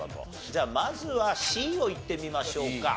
じゃあまずはＣをいってみましょうか。